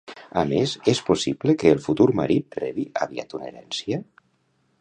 A més, és possible que el futur marit rebi aviat una herència?